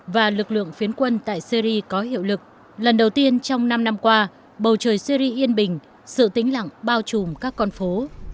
và lực lượng phiến quân tại syri có hiệu lực lần đầu tiên trong năm năm qua bầu trời syri yên bình sự tĩnh lặng bao trùm các con phố